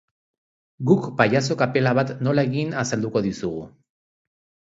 Guk pailazo kapela bat nola egin azalduko dizugu.